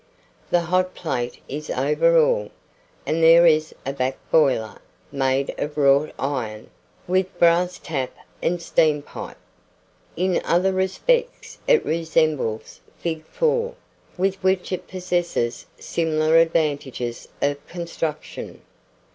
The hot plate is over all, and there is a back boiler, made of wrought iron, with brass tap and steam pipe. In other respects it resembles Fig. 4, with which it possesses similar advantages of construction.